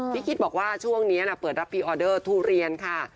คิดบอกว่าช่วงนี้เปิดรับพรีออเดอร์ทุเรียนค่ะ